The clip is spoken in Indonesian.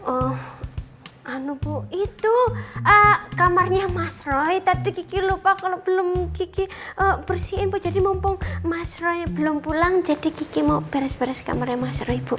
oh bu itu kamarnya mas roy tadi gigi lupa kalau belum gigi bersihin bu jadi mumpung mas roy belum pulang jadi gigi mau beres beres kamarnya mas roy bu